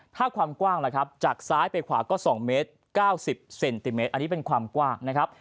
ถ้าความกว้างล่ะครับจากซ้ายไปขวาก็๒เมตร๙๐เซนติเมตรอันนี้เป็นความกว้างนะครับ